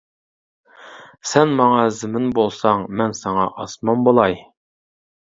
سەن ماڭا زېمىن بولساڭ، مەن ساڭا ئاسمان بولاي.